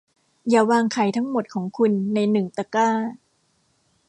อย่าวางไข่ทั้งหมดของคุณในหนึ่งตะกร้า